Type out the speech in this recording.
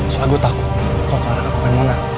soalnya gue takut kau kelarin akungan mona